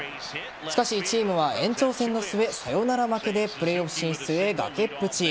しかし、チームは延長戦の末、サヨナラ負けでプレーオフ進出へ崖っぷち。